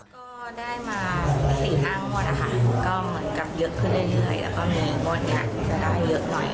ก็ได้มา๔๕งวดนะคะก็เหมือนกับเยอะขึ้นเรื่อยแล้วก็มีงวดนี้จะได้เยอะหน่อย